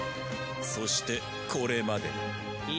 そしてこれまでだ。